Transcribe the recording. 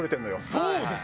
そうです！